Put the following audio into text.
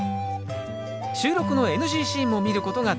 収録のＮＧシーンも見ることができますよ。